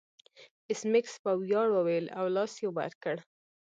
ایس میکس په ویاړ وویل او لاس یې ور کړ